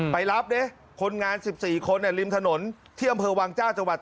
ไปรับเนี่ยคนงานสิบสี่คนลิมถนนเที่ยง